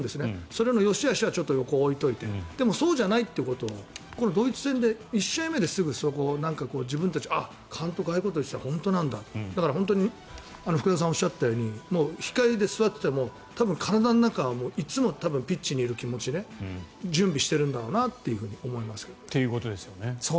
それのよしあしは置いておいてでもそうじゃないことをドイツ戦、１試合目で自分たち監督、ああいうことを言っていた本当なんだ福田さんがおっしゃったように控えで座っていても多分体の中はいつもピッチにいる気持ちで準備しているんだと思いますが。ということですよね。